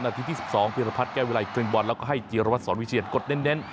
นาทีที่๑๒พิรพัฒน์แก้วิลัยครึ่งบอลแล้วก็ให้เจียรวรรดิสอนวิทยาลกดเน้น